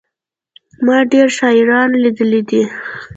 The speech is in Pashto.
ما ډېري شاعران لېدلي دي.